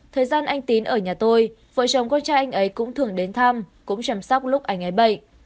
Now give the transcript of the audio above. thời gian anh tín ở nhà tôi vợ chồng con trai anh ấy cũng thường đến thăm cũng chăm sóc lúc anh ấy bậy